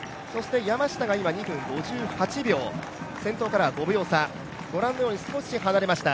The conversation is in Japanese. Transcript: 山下が２分５８秒先頭から５秒差、ご覧のように少し離れました。